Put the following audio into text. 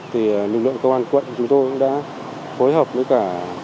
thì lực lượng công an quận chúng tôi đã phối hợp với cả các đơn vị